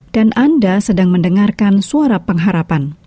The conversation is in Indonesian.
dan anda sedang mendengarkan suara pengharapan